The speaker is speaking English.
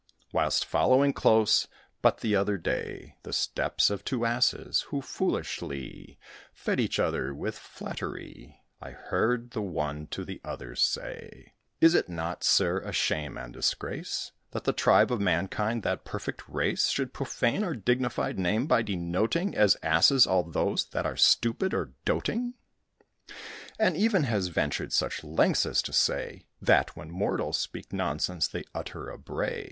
"Whilst following close, but the other day, The steps of two Asses, who foolishly Fed each other with flattery, I heard the one to the other say, Is it not, sir, a shame and disgrace That the tribe of mankind, that perfect race, Should profane our dignified name, by denoting As asses all those that are stupid or doting? And even has ventured such lengths as to say, That, when mortals speak nonsense, they utter a bray!